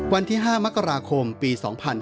วันที่๕มกราคมปี๒๕๕๙